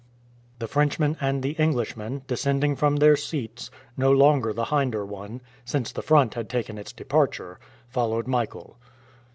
The Frenchman and the Englishman, descending from their seats, no longer the hinder one, since the front had taken its departure, followed Michael.